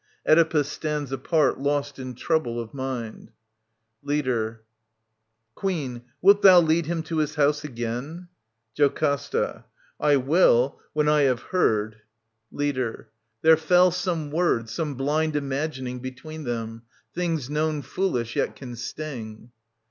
Oedipus stands apart lost in » trouble of mind. ' Leader. [Antistrophe, Queen, wilt thou lead him to his house again ? JOCASTA. I will, when I have heard. 39 SOPHOCLES TV. 681 696 Leader. There fell some word, some blind imagining Between them. Things known foolish yet can sting.